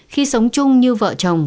khi sống chung như vợ chồng